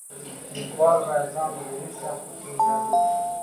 لیکوال باید ځان د لومړي شخص په توګه یاد نه کړي.